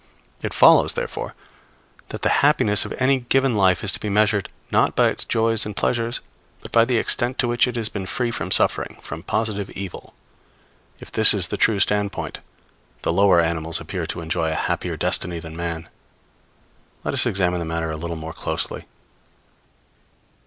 It follows, therefore, that the happiness of any given life is to be measured, not by its joys and pleasures, but by the extent to which it has been free from suffering from positive evil. If this is the true standpoint, the lower animals appear to enjoy a happier destiny than man. Let us examine the matter a little more closely.